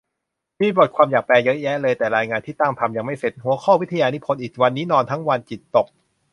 มีบทความอยากแปลเยอะแยะเลย แต่รายงานที่ตั้งทำยังไม่เสร็จ หัวข้อวิทยานิพนธ์อีก วันนี้นอนทั้งวัน จิตตก